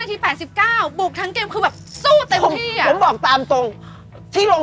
เล่นผมไม่เชื่อเลยนะครับว่าเล่น๖๓๑